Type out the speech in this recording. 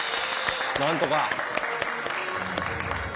なんとか。